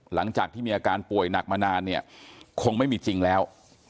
หลังจากที่มีอาการป่วยหนักมานานเนี่ยคงไม่มีจริงแล้ว